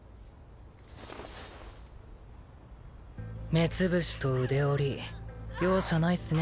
目潰しと腕折り容赦ないっすね